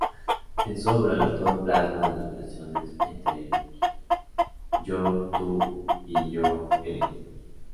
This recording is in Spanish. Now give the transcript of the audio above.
En su obra, el autor plasma las relaciones entre el Yo-Tú y Yo-Ello.